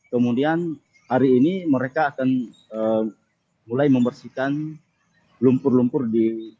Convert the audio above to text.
kemudian hari ini mereka akan mulai membersihkan lumpur lumpur di